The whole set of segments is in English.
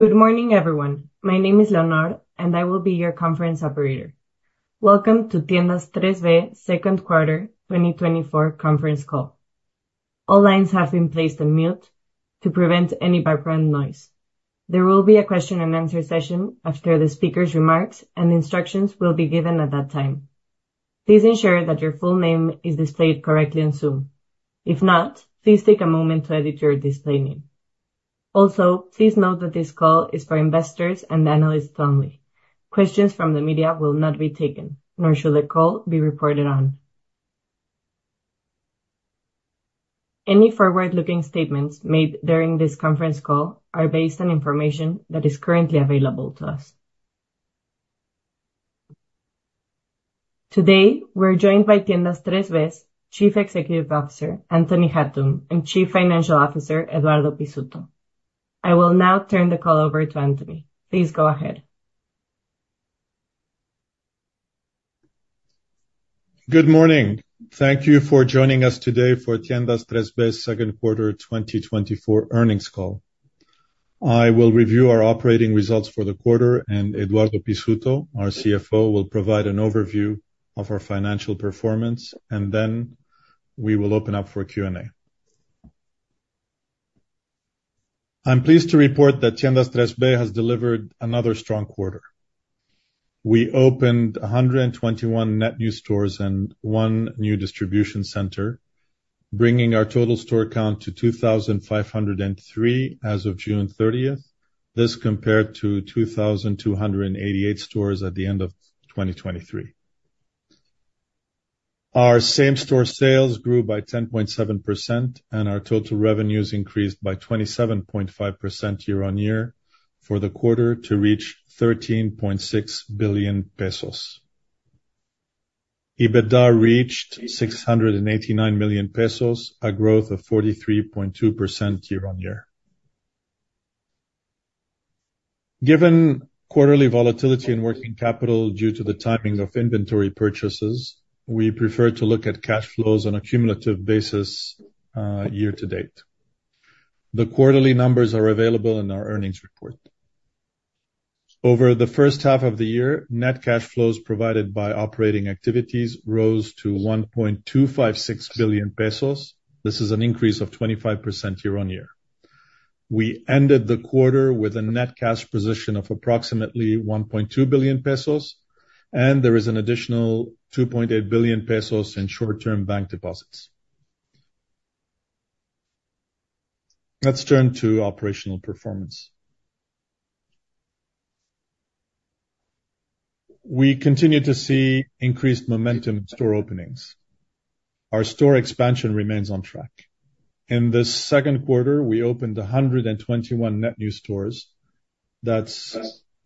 Good morning, everyone. My name is Leonor, and I will be your conference operator. Welcome to Tiendas 3B Q2, 2024 conference call. All lines have been placed on mute to prevent any background noise. There will be a question and answer session after the speaker's remarks, and instructions will be given at that time. Please ensure that your full name is displayed correctly on Zoom. If not, please take a moment to edit your display name. Also, please note that this call is for investors and analysts only. Questions from the media will not be taken, nor should the call be reported on. Any forward-looking statements made during this conference call are based on information that is currently available to us. Today, we're joined by Tiendas 3B Chief Executive Officer, Anthony Hatoum, and Chief Financial Officer, Eduardo Pizzuto. I will now turn the call over to Anthony. Please go ahead. Good morning. Thank you for joining us today for Tiendas 3B second quarter 2024 earnings call. I will review our operating results for the quarter, and Eduardo Pizzuto, our CFO, will provide an overview of our financial performance, and then we will open up for Q&A. I'm pleased to report that Tiendas 3B has delivered another strong quarter. We opened 121 net new stores and one new distribution center, bringing our total store count to 2,503 as of June thirtieth. This compared to 2,288 stores at the end of 2023. Our same-store sales grew by 10.7%, and our total revenues increased by 27.5% year-on-year for the quarter to reach 13.6 billion pesos. EBITDA reached 689 million pesos, a growth of 43.2% year-on-year. Given quarterly volatility in working capital due to the timing of inventory purchases, we prefer to look at cash flows on a cumulative basis, year-to-date. The quarterly numbers are available in our earnings report. Over the first half of the year, net cash flows provided by operating activities rose to 1.256 billion pesos. This is an increase of 25% year-on-year. We ended the quarter with a net cash position of approximately 1.2 billion pesos, and there is an additional 2.8 billion pesos in short-term bank deposits. Let's turn to operational performance. We continue to see increased momentum in store openings. Our store expansion remains on track. In the second quarter, we opened 121 net new stores. That's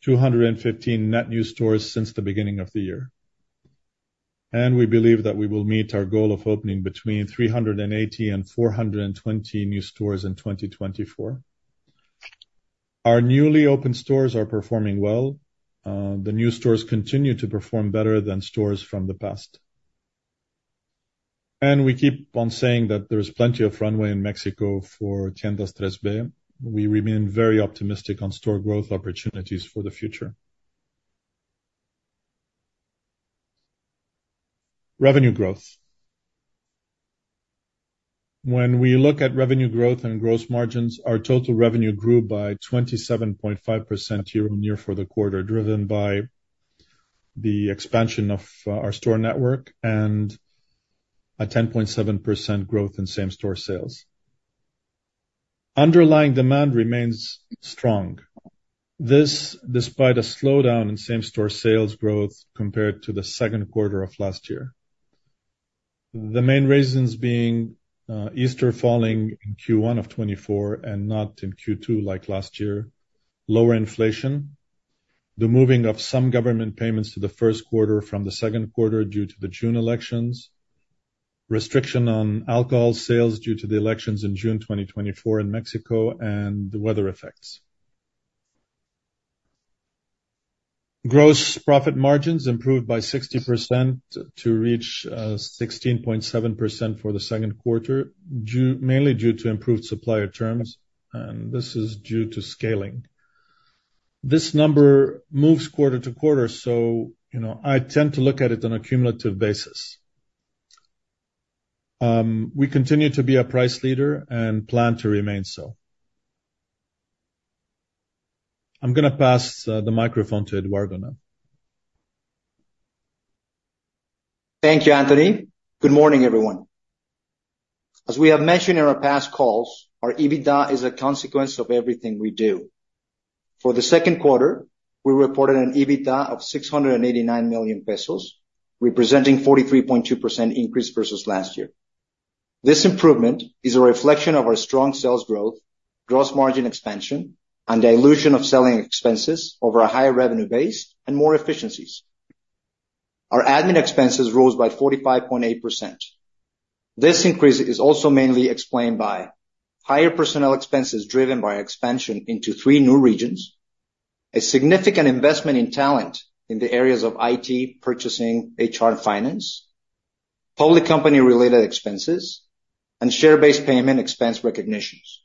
215 net new stores since the beginning of the year. And we believe that we will meet our goal of opening between 380 and 420 new stores in 2024. Our newly opened stores are performing well. The new stores continue to perform better than stores from the past. And we keep on saying that there's plenty of runway in Mexico for Tiendas 3B. We remain very optimistic on store growth opportunities for the future. Revenue growth. When we look at revenue growth and gross margins, our total revenue grew by 27.5% year-on-year for the quarter, driven by the expansion of our store network and a 10.7% growth in same-store sales. Underlying demand remains strong. This, despite a slowdown in same-store sales growth compared to the second quarter of last year. The main reasons being, Easter falling in Q1 of 2024 and not in Q2 like last year, lower inflation, the moving of some government payments to the first quarter from the second quarter due to the June elections, restriction on alcohol sales due to the elections in June 2024 in Mexico, and the weather effects. Gross profit margins improved by 60% to reach, 16.7% for the Q2, mainly due to improved supplier terms, and this is due to scaling. This number moves quarter to quarter, so you know, I tend to look at it on a cumulative basis. We continue to be a price leader and plan to remain so. I'm gonna pass the microphone to Eduardo now. Thank you, Anthony. Good morning, everyone. As we have mentioned in our past calls, our EBITDA is a consequence of everything we do. For the second quarter, we reported an EBITDA of 689 million pesos, representing a 43.2% increase versus last year. This improvement is a reflection of our strong sales growth, gross margin expansion, and dilution of selling expenses over a higher revenue base and more efficiencies. Our admin expenses rose by 45.8%. This increase is also mainly explained by higher personnel expenses driven by expansion into three new regions, a significant investment in talent in the areas of IT, purchasing, HR, and finance, public company related expenses, and share-based payment expense recognitions.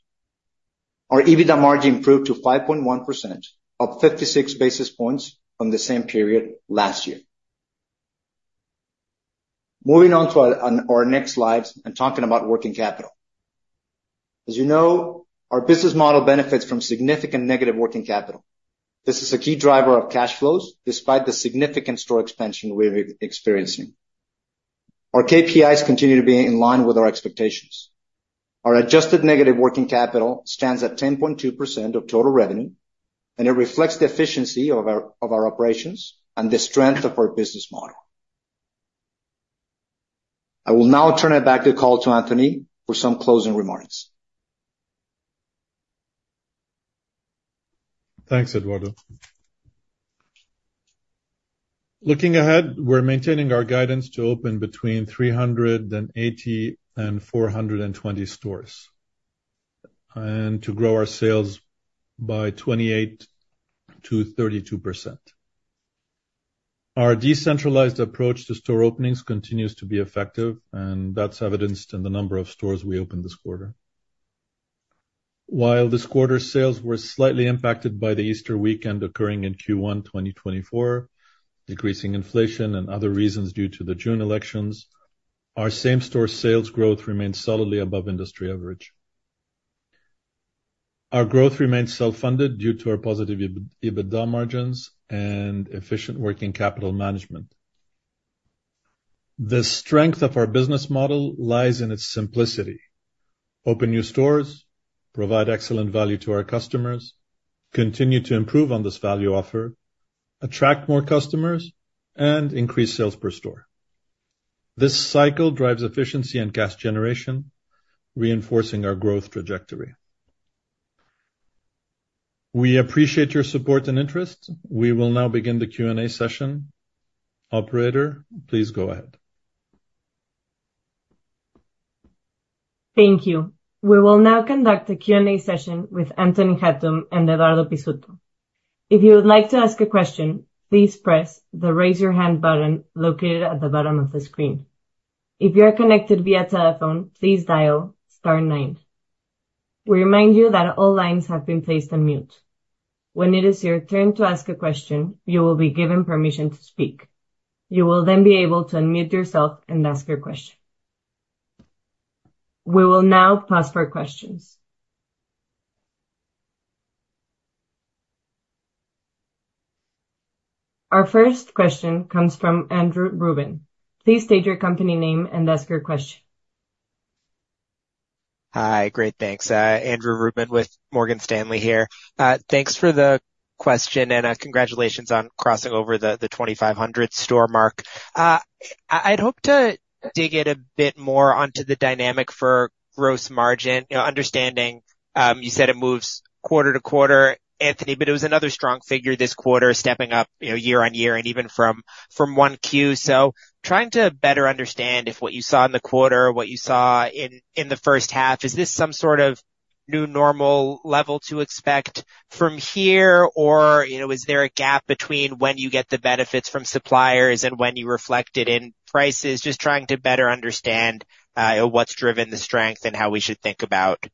Our EBITDA margin improved to 5.1%, up 56 basis points from the same period last year. Moving on to our next slides and talking about working capital. As you know, our business model benefits from significant negative working capital. This is a key driver of cash flows, despite the significant store expansion we're experiencing. Our KPIs continue to be in line with our expectations. Our adjusted negative working capital stands at 10.2% of total revenue, and it reflects the efficiency of our operations and the strength of our business model. I will now turn it back to call to Anthony for some closing remarks. Thanks, Eduardo. Looking ahead, we're maintaining our guidance to open between 380 and 420 stores, and to grow our sales by 28%-32%. Our decentralized approach to store openings continues to be effective, and that's evidenced in the number of stores we opened this quarter. While this quarter's sales were slightly impacted by the Easter weekend occurring in Q1, 2024, decreasing inflation and other reasons due to the June elections, our same-store sales growth remains solidly above industry average. Our growth remains self-funded due to our positive EBITDA margins and efficient working capital management. The strength of our business model lies in its simplicity. Open new stores, provide excellent value to our customers, continue to improve on this value offer, attract more customers, and increase sales per store. This cycle drives efficiency and cash generation, reinforcing our growth trajectory. We appreciate your support and interest. We will now begin the Q&A session. Operator, please go ahead. Thank you. We will now conduct a Q&A session with Anthony Hatoum and Eduardo Pizzuto. If you would like to ask a question, please press the Raise Your Hand button located at the bottom of the screen. If you are connected via telephone, please dial star nine. We remind you that all lines have been placed on mute. When it is your turn to ask a question, you will be given permission to speak. You will then be able to unmute yourself and ask your question. We will now pause for questions. Our first question comes from Andrew Ruben. Please state your company name and ask your question. Hi, great, thanks. Andrew Ruben with Morgan Stanley here. Thanks for the question, and congratulations on crossing over the 2,500 store mark. I'd hope to dig in a bit more onto the dynamic for gross margin, you know, understanding you said it moves quarter to quarter, Anthony, but it was another strong figure this quarter, stepping up, you know, year on year and even from one Q. So trying to better understand if what you saw in the quarter, what you saw in the first half, is this some sort of new normal level to expect from here, or, you know, is there a gap between when you get the benefits from suppliers and when you reflect it in prices? Just trying to better understand, what's driven the strength and how we should think about,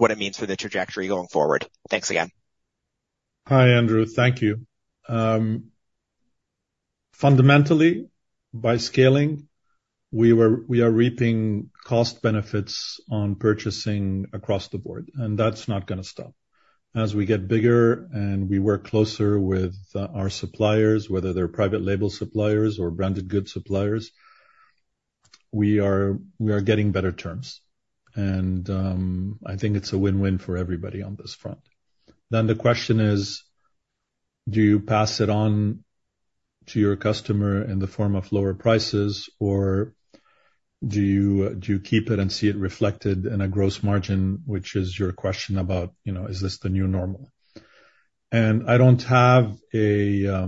what it means for the trajectory going forward. Thanks again. Hi, Andrew. Thank you. Fundamentally, by scaling, we are reaping cost benefits on purchasing across the board, and that's not gonna stop. As we get bigger and we work closer with our suppliers, whether they're private label suppliers or branded good suppliers, we are getting better terms. And I think it's a win-win for everybody on this front. Then the question is, do you pass it on to your customer in the form of lower prices, or do you keep it and see it reflected in a gross margin, which is your question about, you know, is this the new normal? And I don't have an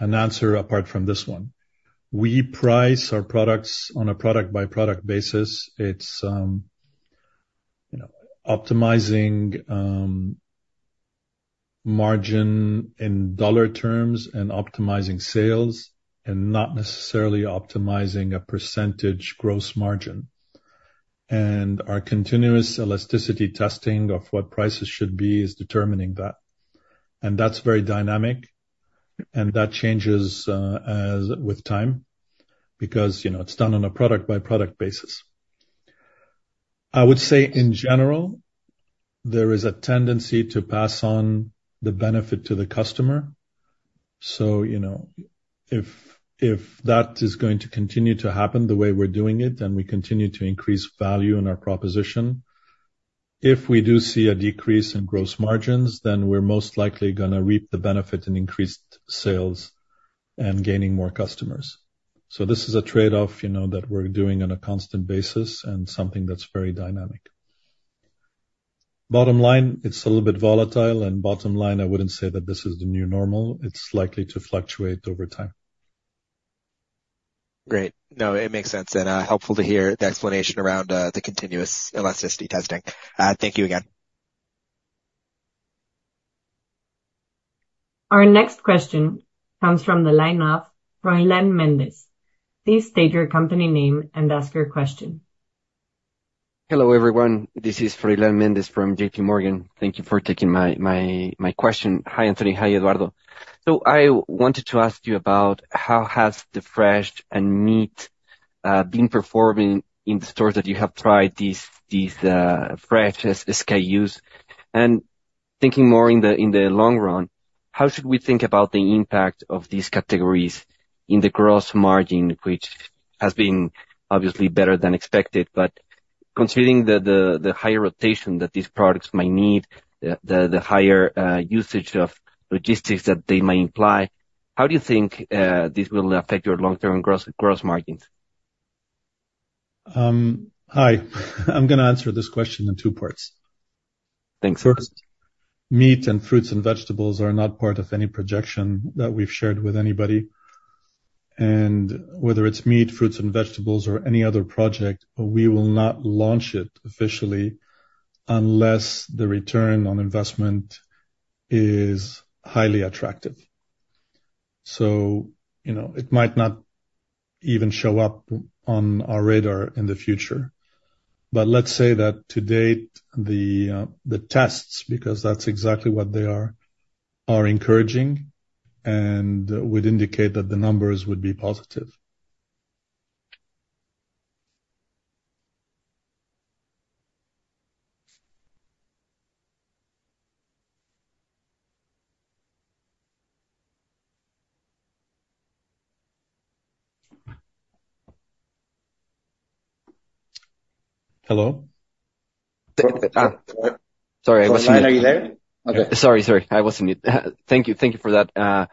answer apart from this one. We price our products on a product-by-product basis. It's you know optimizing margin in dollar terms and optimizing sales and not necessarily optimizing a percentage gross margin. And our continuous elasticity testing of what prices should be is determining that. And that's very dynamic and that changes as with time because you know it's done on a product-by-product basis. I would say in general there is a tendency to pass on the benefit to the customer so you know if that is going to continue to happen the way we're doing it then we continue to increase value in our proposition. If we do see a decrease in gross margins then we're most likely gonna reap the benefit in increased sales and gaining more customers. So this is a trade-off you know that we're doing on a constant basis and something that's very dynamic. Bottom line, it's a little bit volatile, and bottom line, I wouldn't say that this is the new normal. It's likely to fluctuate over time. Great. No, it makes sense, and helpful to hear the explanation around the continuous elasticity testing. Thank you again. ...Our next question comes from the line of Froilán Méndez. Please state your company name and ask your question. Hello, everyone, this is Froilán Méndez from JPMorgan. Thank you for taking my question. Hi, Anthony. Hi, Eduardo. So I wanted to ask you about how has the fresh and meat been performing in the stores that you have tried these fresh SKUs? And thinking more in the long run, how should we think about the impact of these categories in the gross margin, which has been obviously better than expected, but considering the higher rotation that these products may need, the higher usage of logistics that they may imply, how do you think this will affect your long-term gross margins? Hi. I'm gonna answer this question in two parts. Thanks. First, meat and fruits and vegetables are not part of any projection that we've shared with anybody. And whether it's meat, fruits and vegetables or any other project, we will not launch it officially unless the return on investment is highly attractive. So, you know, it might not even show up on our radar in the future. But let's say that to date, the tests, because that's exactly what they are, are encouraging and would indicate that the numbers would be positive. Hello? Sorry, I wasn't- Are you there? Okay. Sorry, sorry, I was mute. Thank you. Thank you for that.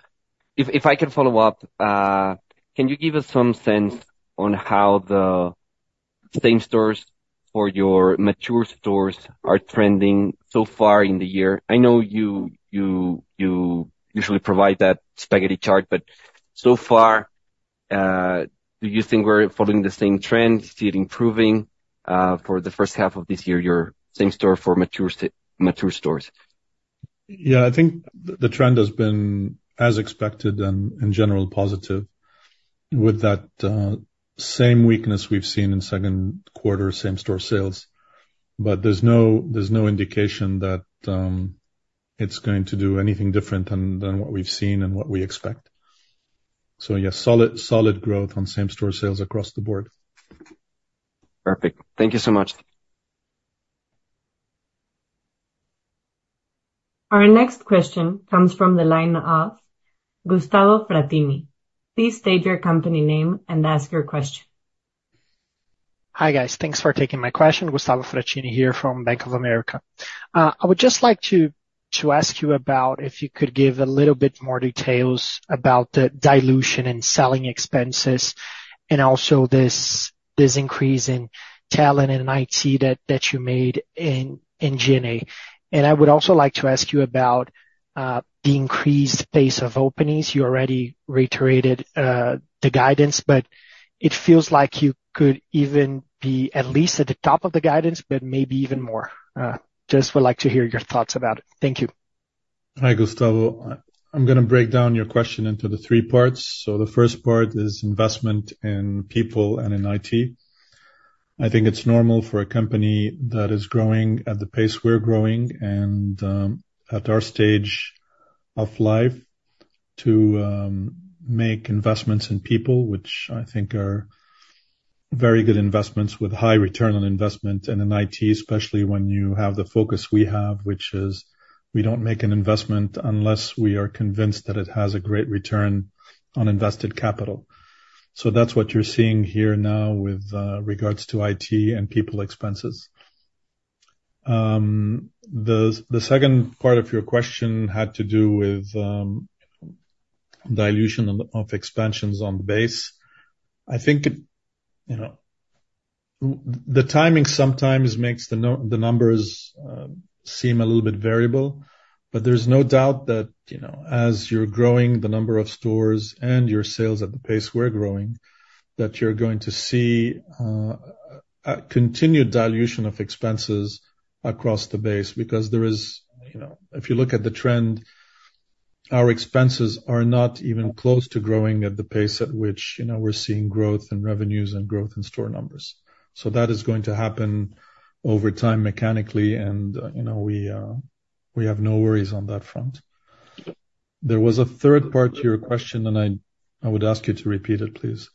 If I can follow up, can you give us some sense on how the same stores or your mature stores are trending so far in the year? I know you usually provide that spaghetti chart, but so far, do you think we're following the same trend, still improving, for the first half of this year, your same store for mature mature stores? Yeah, I think the trend has been as expected and in general, positive. With that, same weakness we've seen in second quarter same-store sales. But there's no indication that it's going to do anything different than what we've seen and what we expect. So, yes, solid growth on same-store sales across the board. Perfect. Thank you so much. Our next question comes from the line of Gustavo Fratini. Please state your company name and ask your question. Hi, guys. Thanks for taking my question. Gustavo Fratini here from Bank of America. I would just like to ask you about if you could give a little bit more details about the dilution and selling expenses and also this increase in talent in IT that you made in G&A. And I would also like to ask you about the increased pace of openings. You already reiterated the guidance, but it feels like you could even be at least at the top of the guidance, but maybe even more. Just would like to hear your thoughts about it. Thank you. Hi, Gustavo. I'm gonna break down your question into the three parts. So the first part is investment in people and in IT. I think it's normal for a company that is growing at the pace we're growing and at our stage of life to make investments in people, which I think are very good investments with high return on investment and in IT, especially when you have the focus we have, which is we don't make an investment unless we are convinced that it has a great return on invested capital. So that's what you're seeing here now with regards to IT and people expenses. The second part of your question had to do with dilution of expansions on the base. I think it, you know, the timing sometimes makes the numbers seem a little bit variable, but there's no doubt that, you know, as you're growing the number of stores and your sales at the pace we're growing, that you're going to see a continued dilution of expenses across the base, because there is, you know, if you look at the trend, our expenses are not even close to growing at the pace at which, you know, we're seeing growth in revenues and growth in store numbers. So that is going to happen over time, mechanically, and, you know, we, we have no worries on that front. There was a third part to your question, and I, I would ask you to repeat it, please.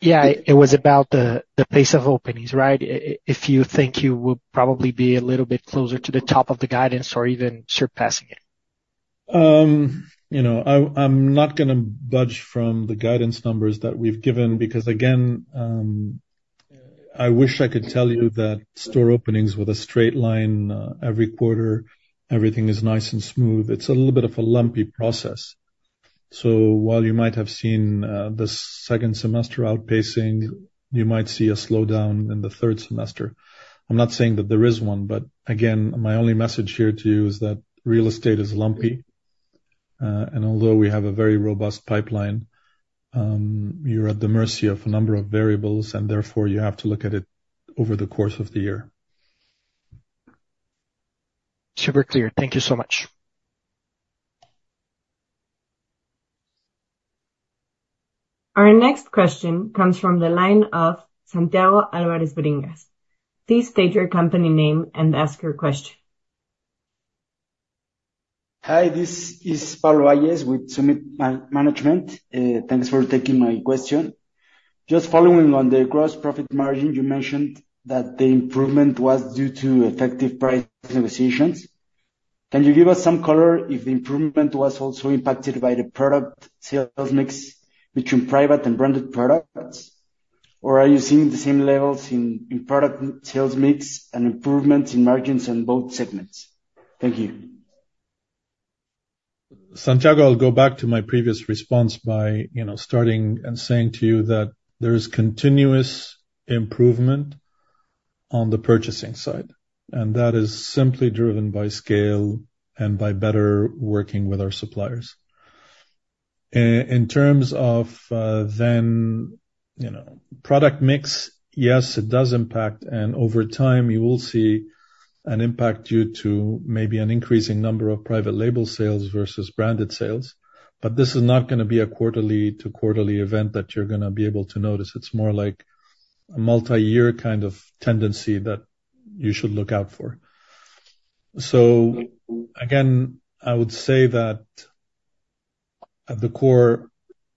Yeah, it was about the pace of openings, right? If you think you will probably be a little bit closer to the top of the guidance or even surpassing it. You know, I, I'm not gonna budge from the guidance numbers that we've given, because, again, I wish I could tell you that store openings with a straight line, every quarter, everything is nice and smooth. It's a little bit of a lumpy process. So while you might have seen, the second semester outpacing, you might see a slowdown in the third semester. I'm not saying that there is one, but again, my only message here to you is that real estate is lumpy, and although we have a very robust pipeline, you're at the mercy of a number of variables, and therefore, you have to look at it over the course of the year. ... Super clear. Thank you so much. Our next question comes from the line of Santiago Alvarez Bringas. Please state your company name and ask your question. Hi, this is Paul Ayers with Summit Management. Thanks for taking my question. Just following on the gross profit margin, you mentioned that the improvement was due to effective price negotiations. Can you give us some color if the improvement was also impacted by the product sales mix between private and branded products? Or are you seeing the same levels in, in product sales mix and improvements in margins in both segments? Thank you. Santiago, I'll go back to my previous response by, you know, starting and saying to you that there is continuous improvement on the purchasing side, and that is simply driven by scale and by better working with our suppliers. In terms of, then, you know, product mix, yes, it does impact, and over time, you will see an impact due to maybe an increasing number of private label sales versus branded sales. But this is not gonna be a quarterly to quarterly event that you're gonna be able to notice. It's more like a multi-year kind of tendency that you should look out for. So again, I would say that at the core,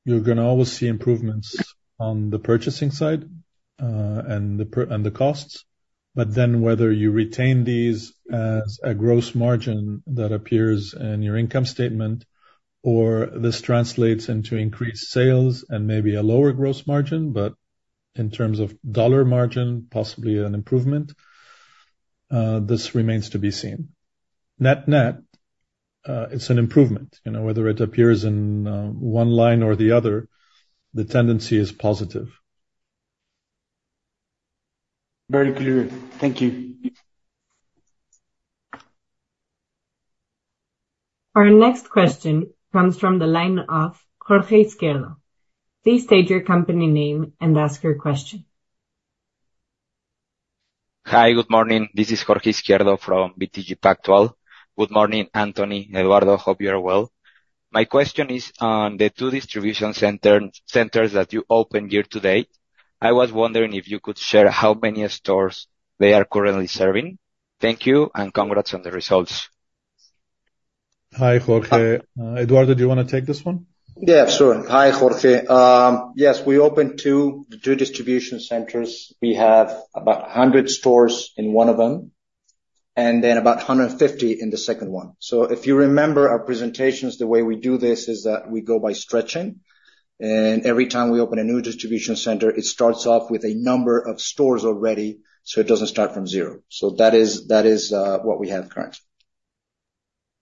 you're gonna always see improvements on the purchasing side, and the costs. But then whether you retain these as a gross margin that appears in your income statement, or this translates into increased sales and maybe a lower gross margin, but in terms of dollar margin, possibly an improvement, this remains to be seen. Net-net, it's an improvement. You know, whether it appears in, one line or the other, the tendency is positive. Very clear. Thank you. Our next question comes from the line of Jorge Izquierdo. Please state your company name and ask your question. Hi, good morning. This is Jorge Izquierdo from BTG Pactual. Good morning, Anthony, Eduardo. Hope you are well. My question is on the two distribution centers that you opened year to date. I was wondering if you could share how many stores they are currently serving. Thank you, and congrats on the results. Hi, Jorge. Eduardo, do you wanna take this one? Yeah, sure. Hi, Jorge. Yes, we opened two distribution centers. We have about 100 stores in one of them, and then about 150 in the second one. So if you remember our presentations, the way we do this is that we go by stretching, and every time we open a new distribution center, it starts off with a number of stores already, so it doesn't start from zero. So that is what we have currently.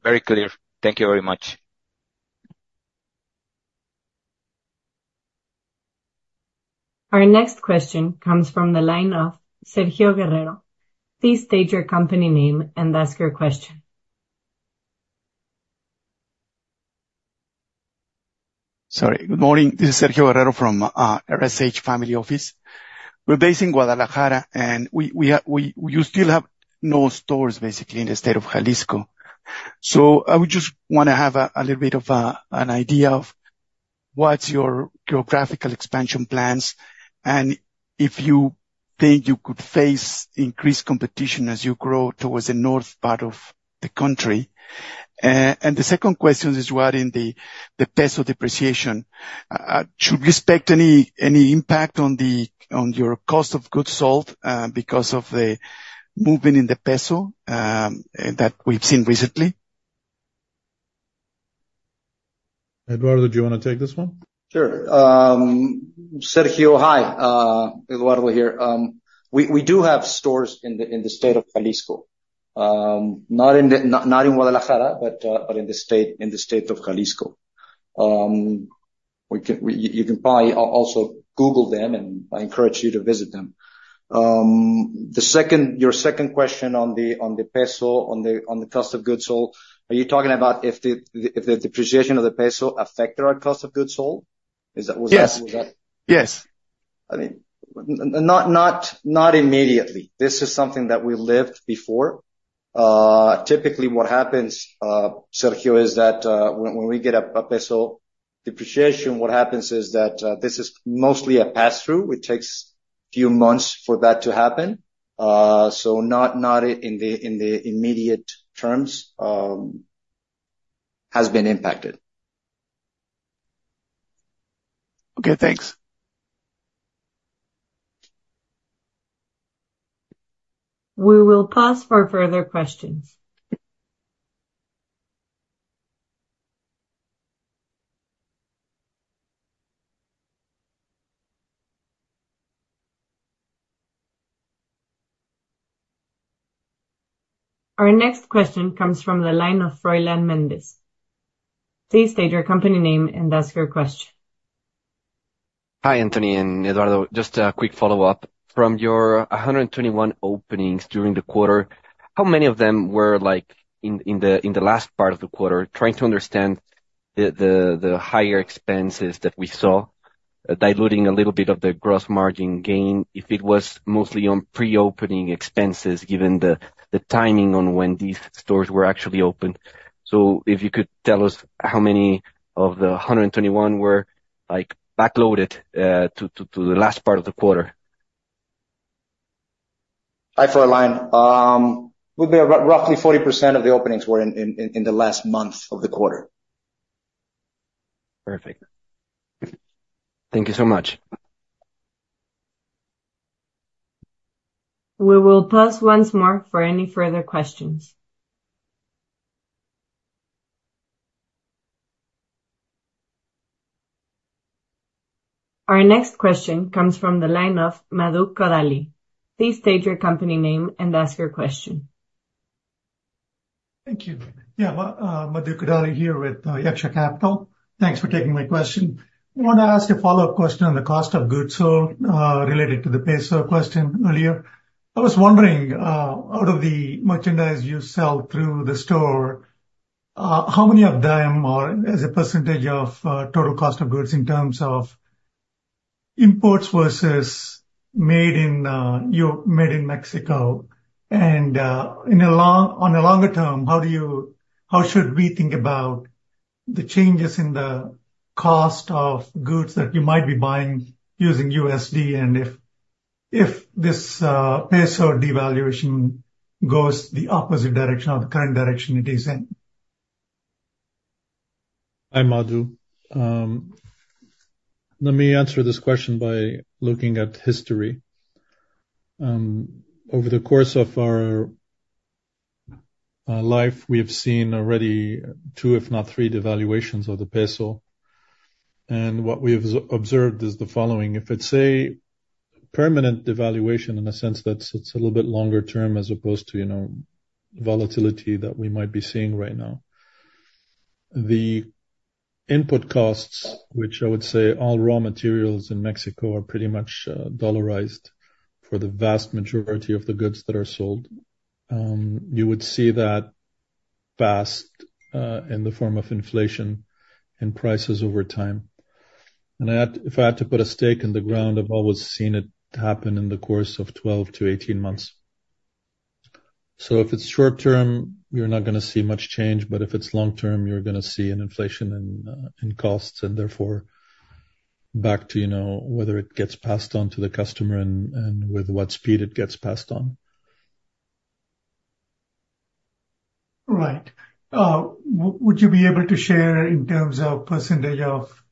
Very clear. Thank you very much. Our next question comes from the line of Sergio Guerrero. Please state your company name and ask your question. Sorry, good morning. This is Sergio Guerrero from RSH Family Office. We're based in Guadalajara, and you still have no stores, basically, in the state of Jalisco. So I would just wanna have a little bit of an idea of what's your geographical expansion plans, and if you think you could face increased competition as you grow towards the north part of the country, and the second question is regarding the peso depreciation. Should we expect any impact on your cost of goods sold because of the movement in the peso that we've seen recently? Eduardo, do you wanna take this one? Sure. Sergio, hi, Eduardo here. We do have stores in the state of Jalisco. Not in Guadalajara, but in the state of Jalisco. You can probably also google them, and I encourage you to visit them. The second. Your second question on the peso, on the cost of goods sold, are you talking about if the depreciation of the peso affected our cost of goods sold? Is that, was that- Yes. Yes. I mean, not immediately. This is something that we lived before. Typically, what happens, Sergio, is that when we get a peso depreciation, what happens is that this is mostly a pass-through. It takes few months for that to happen. So not in the immediate terms has been impacted. Okay, thanks. We will pause for further questions. Our next question comes from the line of Froilan Mendez. Please state your company name and ask your question. Hi, Anthony and Eduardo. Just a quick follow-up. From your 121 openings during the quarter, how many of them were, like, in the last part of the quarter? Trying to understand the higher expenses that we saw, diluting a little bit of the gross margin gain, if it was mostly on pre-opening expenses, given the timing on when these stores were actually opened. So if you could tell us how many of the 121 were, like, backloaded to the last part of the quarter? Hi, Froilán. Would be about roughly 40% of the openings were in the last month of the quarter. Perfect. Thank you so much. We will pause once more for any further questions. Our next question comes from the line of Madhu Kodali. Please state your company name and ask your question. Thank you. Yeah, well, Madhu Kodali here with Yaksha Capital. Thanks for taking my question. I want to ask a follow-up question on the cost of goods, so, related to the peso question earlier. I was wondering, out of the merchandise you sell through the store, how many of them are as a percentage of total cost of goods in terms of imports versus made in Mexico? And, on a longer term, how should we think about the changes in the cost of goods that you might be buying using USD, and if this peso devaluation goes the opposite direction or the current direction it is in? Hi, Madhu. Let me answer this question by looking at history. Over the course of our life, we have seen already two, if not three, devaluations of the peso, and what we have observed is the following: If it's a permanent devaluation, in a sense that's, it's a little bit longer term, as opposed to, you know, volatility that we might be seeing right now. The input costs, which I would say all raw materials in Mexico, are pretty much dollarized for the vast majority of the goods that are sold. You would see that fast in the form of inflation and prices over time. If I had to put a stake in the ground, I've always seen it happen in the course of twelve to eighteen months. So if it's short term, you're not gonna see much change, but if it's long term, you're gonna see an inflation in in costs, and therefore, back to, you know, whether it gets passed on to the customer and with what speed it gets passed on. Right. Would you be able to share in terms of percentage of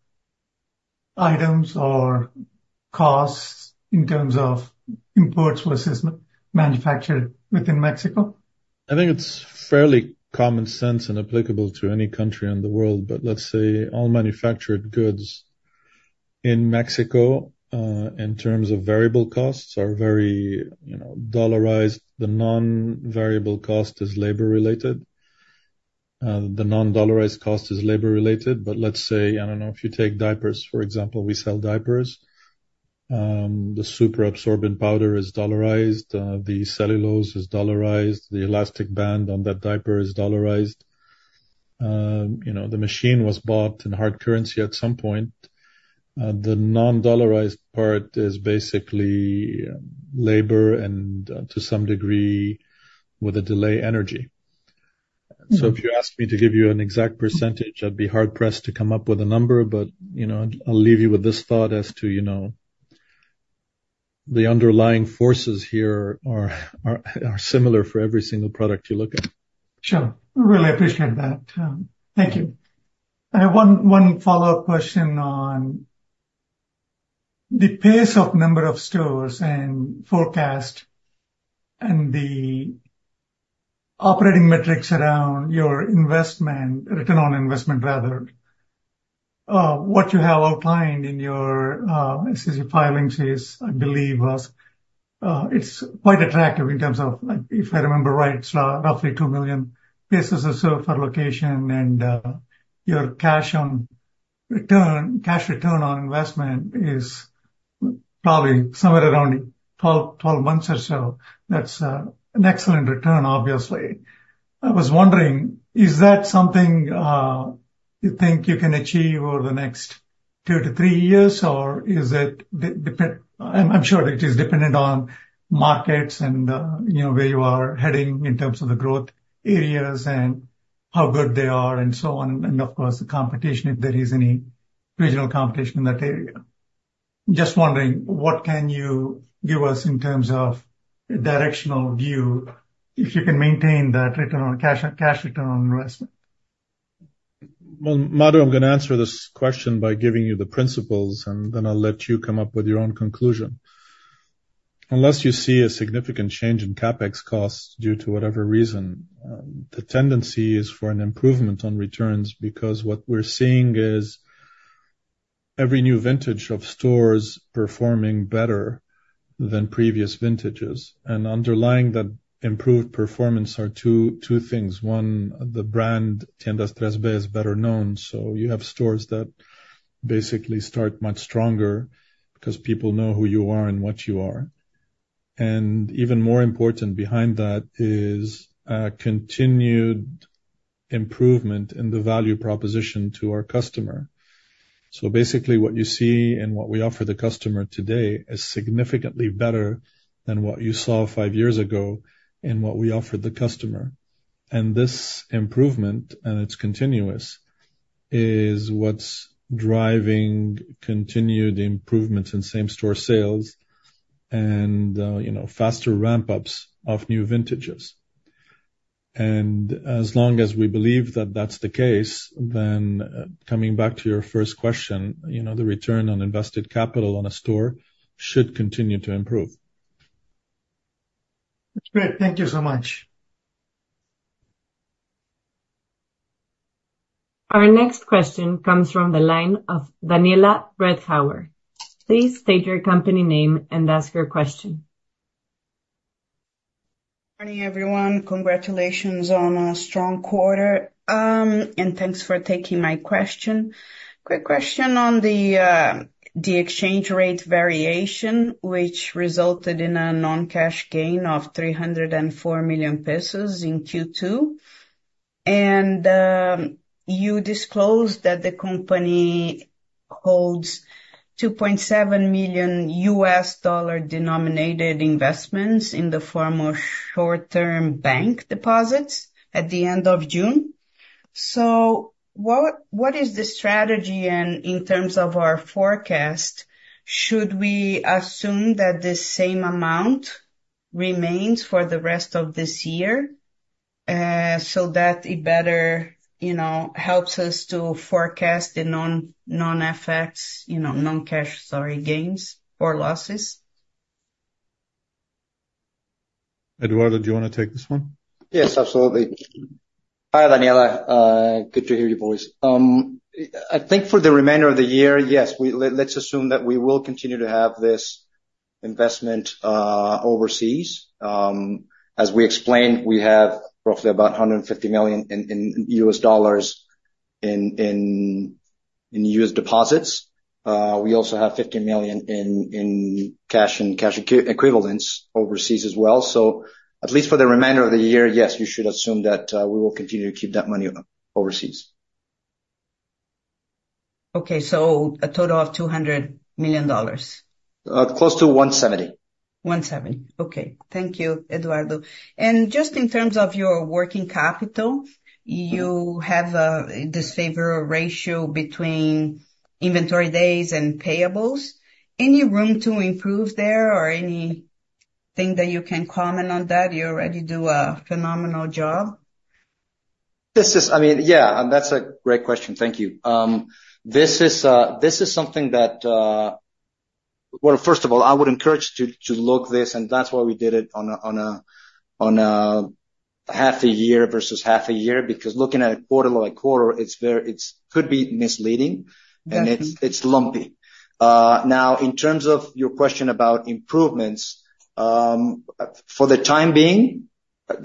items or costs, in terms of imports versus manufactured within Mexico? I think it's fairly common sense and applicable to any country in the world, but let's say all manufactured goods in Mexico, in terms of variable costs, are very, you know, dollarized. The non-variable cost is labor related. The non-dollarized cost is labor related, but let's say, I don't know, if you take diapers, for example, we sell diapers. The super absorbent powder is dollarized, the cellulose is dollarized, the elastic band on that diaper is dollarized. You know, the machine was bought in hard currency at some point. The non-dollarized part is basically labor and, to some degree, with a delay, energy. So if you ask me to give you an exact percentage, I'd be hard pressed to come up with a number, but, you know, I'll leave you with this thought as to, you know, the underlying forces here are similar for every single product you look at. Sure. I really appreciate that. Thank you. I have one follow-up question on the pace of number of stores and forecast, and the operating metrics around your investment, return on investment, rather. What you have outlined in your SEC filings is, I believe, it's quite attractive in terms of, like, if I remember right, it's roughly 2 million pesos or so per location, and your cash return on investment is probably somewhere around 12 months or so. That's an excellent return, obviously. I was wondering, is that something you think you can achieve over the next 2-3 years, or is it de-depe... I'm sure it is dependent on markets and, you know, where you are heading in terms of the growth areas and how good they are, and so on, and, of course, the competition, if there is any regional competition in that area. Just wondering, what can you give us in terms of directional view, if you can maintain that return on CapEx, CapEx return on investment? Well, Madhu, I'm gonna answer this question by giving you the principles, and then I'll let you come up with your own conclusion. Unless you see a significant change in CapEx costs due to whatever reason, the tendency is for an improvement on returns, because what we're seeing is every new vintage of stores performing better than previous vintages. And underlying that improved performance are two, two things. One, the brand, Tiendas 3B, is better known, so you have stores that basically start much stronger because people know who you are and what you are... And even more important behind that is continued improvement in the value proposition to our customer. So basically, what you see and what we offer the customer today is significantly better than what you saw five years ago and what we offered the customer. and this improvement, and it's continuous, is what's driving continued improvements in same-store sales and, you know, faster ramp-ups of new vintages. And as long as we believe that that's the case, then coming back to your first question, you know, the return on invested capital on a store should continue to improve. Great. Thank you so much. Our next question comes from the line of Daniela Bretthauer. Please state your company name and ask your question. Morning, everyone. Congratulations on a strong quarter and thanks for taking my question. Quick question on the exchange rate variation, which resulted in a non-cash gain of 304 million pesos in Q2. And you disclosed that the company holds $2.7 million denominated investments in the form of short-term bank deposits at the end of June. So what is the strategy? And in terms of our forecast, should we assume that the same amount remains for the rest of this year, so that it better, you know, helps us to forecast the non-FX, you know, non-cash, sorry, gains or losses? Eduardo, do you wanna take this one? Yes, absolutely. Hi, Daniela, good to hear your voice. I think for the remainder of the year, yes, let's assume that we will continue to have this investment overseas. As we explained, we have roughly about $150 million in US deposits. We also have $50 million in cash and cash equivalents overseas as well. So at least for the remainder of the year, yes, you should assume that we will continue to keep that money overseas. Okay. So a total of $200 million? Close to 170. 170. Okay. Thank you, Eduardo. And just in terms of your working capital, you have a, this favorable ratio between inventory days and payables. Any room to improve there or anything that you can comment on that? You already do a phenomenal job. I mean, yeah, and that's a great question. Thank you. This is something that, well, first of all, I would encourage to look this, and that's why we did it on a half a year versus half a year, because looking at it quarter by quarter, it's very, it could be misleading- Yeah. It's lumpy. Now, in terms of your question about improvements, for the time being,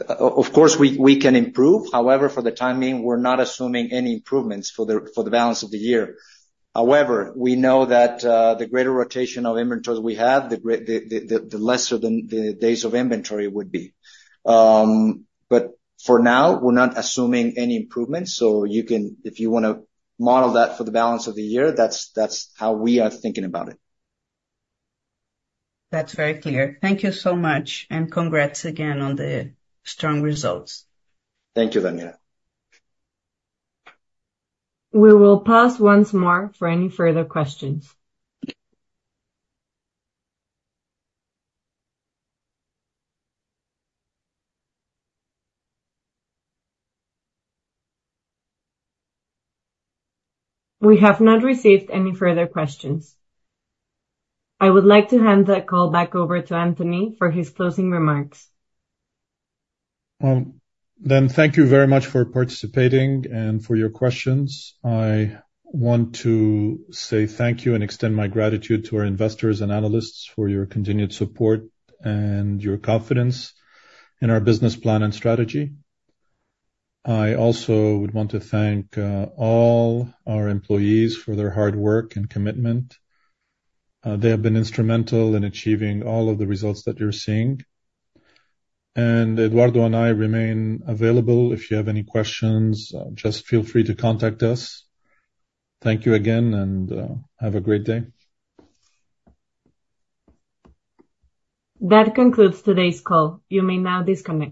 of course, we can improve. However, for the time being, we're not assuming any improvements for the balance of the year. However, we know that the greater rotation of inventories we have, the lesser the days of inventory would be. But for now, we're not assuming any improvements, so you can, if you wanna model that for the balance of the year, that's how we are thinking about it. That's very clear. Thank you so much, and congrats again on the strong results. Thank you, Daniela. We will pause once more for any further questions. We have not received any further questions. I would like to hand the call back over to Anthony for his closing remarks. Then thank you very much for participating and for your questions. I want to say thank you and extend my gratitude to our investors and analysts for your continued support and your confidence in our business plan and strategy. I also would want to thank all our employees for their hard work and commitment. They have been instrumental in achieving all of the results that you're seeing. And Eduardo and I remain available. If you have any questions, just feel free to contact us. Thank you again, and have a great day. That concludes today's call. You may now disconnect.